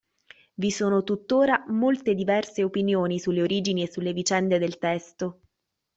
Vi sono tuttora molte diverse opinioni sulle origini e sulle vicende del testo.